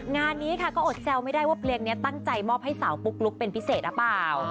งานนี้ค่ะก็อดแซวไม่ได้ว่าเพลงนี้ตั้งใจมอบให้สาวปุ๊กลุ๊กเป็นพิเศษหรือเปล่า